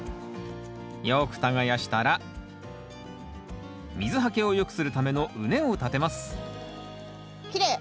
よく耕したら水はけを良くするための畝を立てますきれい！